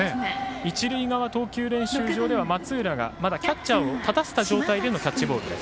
一塁側、投球練習場では松浦が、まだキャッチャーを立たせた状態でのキャッチボールです。